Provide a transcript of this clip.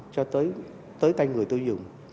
cho tới tay người tư dường